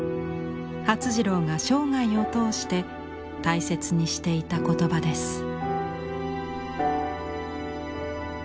發次郎が生涯を通して大切にしていた言葉です。